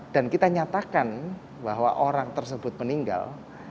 dan kita nyatakan bahwa orang tersebut meninggal